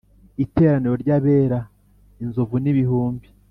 Iteraniro ry’ abera, Inzovu n’ ibihumbi,